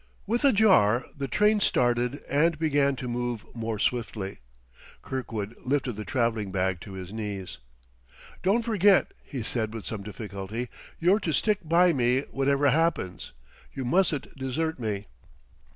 With a jar the train started and began to move more swiftly. Kirkwood lifted the traveling bag to his knees. "Don't forget," he said with some difficulty, "you're to stick by me, whatever happens. You mustn't desert me."